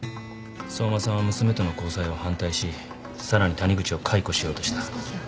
相馬さんは娘との交際を反対しさらに谷口を解雇しようとした。